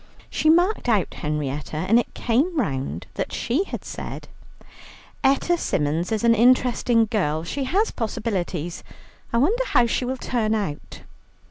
She marked out Henrietta, and it came round that she had said, "Etta Symons is an interesting girl, she has possibilities. I wonder how she will turn out."